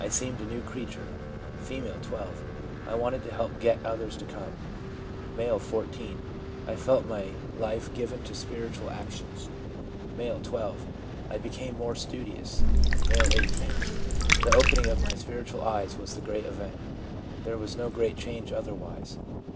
I seemed a new creature/ F., 12. ' I wanted to help get others to come/ M., 14. ' I felt my life given to spiritual actions/ M., 12. 'I became more studious/ M., 18. 1 The opening of my spiritual eyes was the great event ; there was no great change otherwise.